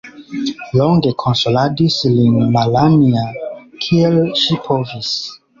Longe konsoladis lin Malanja, kiel ŝi povis.